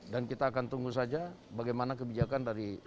dan kita akan tunggu saja bagaimana kebijakan